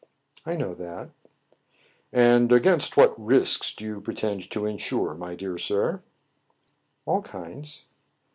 "I know that" " And against what risks do you pretend to in sure, my dear sir }" All kinds."